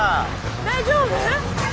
大丈夫？